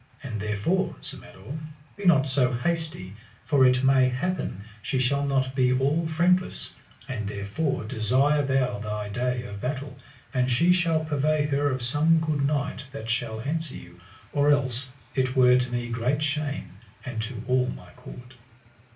And therefore, Sir Mador, be not so hasty, for it may happen she shall not be all friendless; and therefore desire thou thy day of battle, and she shall purvey her of some good knight that shall answer you, or else it were to me great shame, and to all my court.